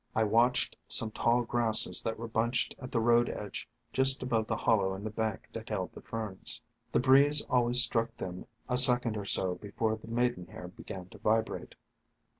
I watched some tall Grasses that were bunched at the road edge just above the hollow in the bank that held the Ferns. The breeze always struck them a second or so before the Maidenhair began to vibrate.